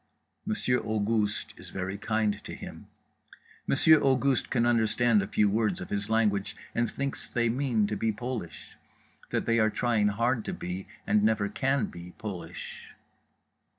Monsieur Auguste is very kind to him, Monsieur Auguste can understand a few words of his language and thinks they mean to be Polish. That they are trying hard to be and never can be Polish.